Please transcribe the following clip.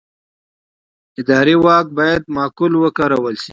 اداري واک باید معقول وکارول شي.